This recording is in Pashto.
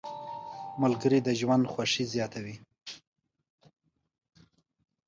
ملګري د ژوند خوښي زیاته وي.